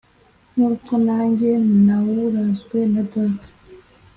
nk’uko nange nawurazwe na data.